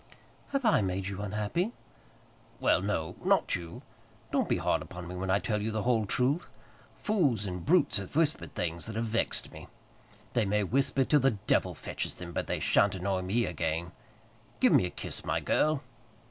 "Have I made you unhappy?" "Well, no; not you. Don't be hard upon me when I tell you the whole truth. Fools and brutes have whispered things that have vexed me. They may whisper till the devil fetches them, but they shan't annoy me again. Give me a kiss, my girl."